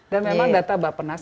dan memang data mbak penas